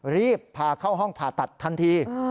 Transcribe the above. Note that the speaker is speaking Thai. รีบพาเข้าห้องผ่าตัดทันที